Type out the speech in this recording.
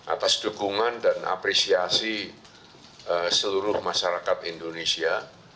atas dukungan dan apresiasi seluruh masyarakat indonesia